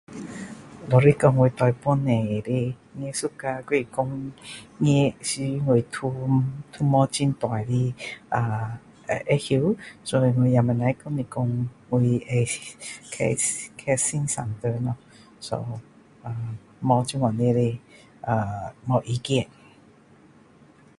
所以说我对本地的艺术家还是说艺术我都没很大的啊呃知道所以我也不能跟你说我呀呃改 k k 欣赏谁咯所以 so 啊没这样的呃没意见